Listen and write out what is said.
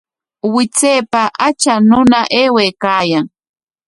Wichaypa acha runa aywaykaayan